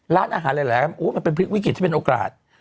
ร้านอาหารหลายมันเป็นวิกฤตที่เป็นโอกาส